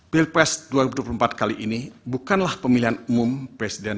pilpres dua ribu dua puluh empat kali ini bukanlah pemilihan umum presiden